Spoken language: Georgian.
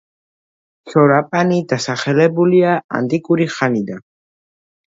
შორაპანი დასახლებულია ანტიკური ხანიდან.